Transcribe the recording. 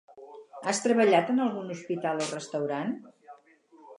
Has treballat en algun hospital o restaurant?